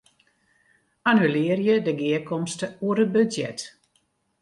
Annulearje de gearkomste oer it budzjet.